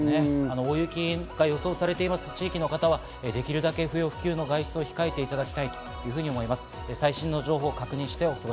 大雪が予想されている地域の方はできるだけ不要不急の外出を控えていただきたいと思います。